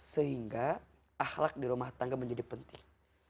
sehingga akhlak di rumah tangga menjadi penting